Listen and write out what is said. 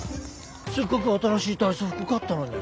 せっかく新しい体操服買ったのに。